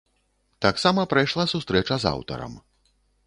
Таксама прайшла сустрэча з аўтарам.